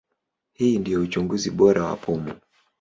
Hii ndio uchunguzi bora wa pumu.